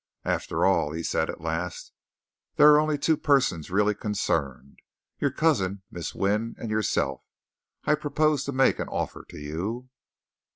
"After all," he said at last, "there are only two persons really concerned your cousin, Miss Wynne, and yourself. I propose to make an offer to you."